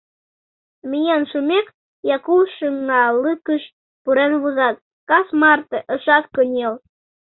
Миен шумек, Яку шыҥалыкыш пурен возат, кас марте ышат кынел.